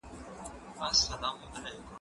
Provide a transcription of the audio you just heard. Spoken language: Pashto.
زه اوږده وخت تمرين کوم؟